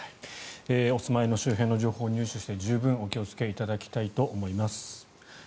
お住まいの周辺の情報を入手して十分お気をつけいただきたいと思います。